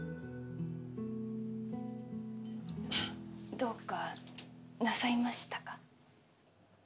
どうかなさいましたか？